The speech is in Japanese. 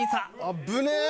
危ねえ！